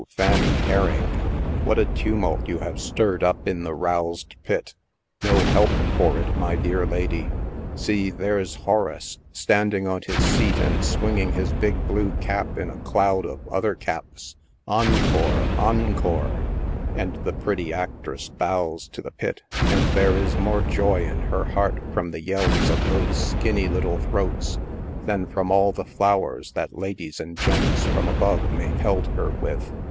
0, Fannie Herring ! what a tumult you have stirred up in the A SATURDAY NIGHT AT THE OLD BOWERY. 121 roused pit 1 No help for it, my dear lady. See, there's " Horace," standing on his seat and swinging his big blue cap in a cloud of other caps — encore ! encore ! And the pretty actress bows to the pit and there is more joy in her heart from the yells of those skinny little throats than from all the flowers that ladies and gents from above may pelt her with.